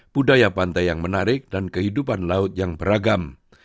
budaya pantai yang menarik dan kehidupan laut yang beragam